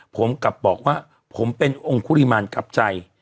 ผมกลับบอกว่าผมเป็นองค์คุริมาณกับใจ